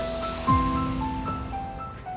apakah rina akan menangkap pak ari